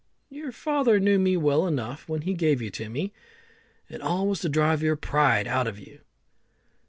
Your father knew me well enough when he gave you to me, and all was to drive your pride out of you."